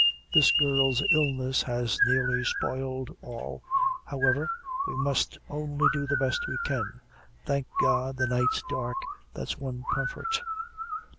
This girl's illness has nearly spoiled all; however, we must only do the best we can. Thank God the night's dark, that's one comfort."